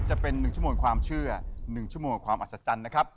จะเป็น๑ชั่วโมงความเชื่อ๑ชั่วโมงความอัศจรรย์นะครับ